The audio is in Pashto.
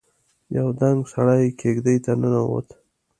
يو دنګ سړی کېږدۍ ته ننوت.